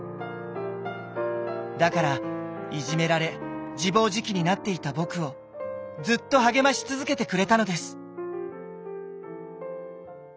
だからいじめられ自暴自棄になっていた僕をずっと励まし続けてくれたのです。